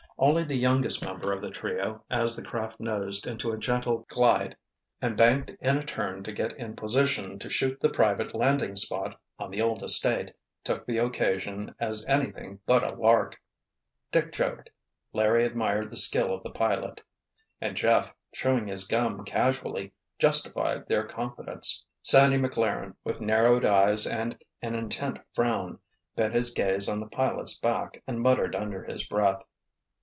Only the youngest member of the trio, as the craft nosed into a gentle glide and banked in a turn to get in position to shoot the private landing spot on the old estate, took the occasion as anything but a lark. Dick joked, Larry admired the skill of the pilot. And Jeff, chewing his gum casually, justified their confidence. Sandy Maclaren, with narrowed eyes and an intent frown, bent his gaze on the pilot's back and muttered under his breath.